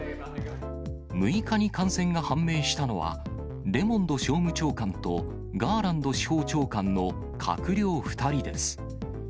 ６日に感染が判明したのは、レモンド商務長官とガーランド司法長官の閣僚２人です。